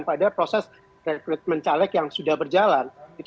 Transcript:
pada proses rekrutmen caleg yang sudah berjalan